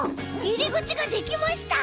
いりぐちができました！